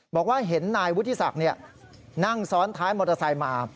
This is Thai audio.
บอกว่าเห็นนายวุฒิศักดิ์นั่งซ้อนท้ายมอเตอร์ไซค์มา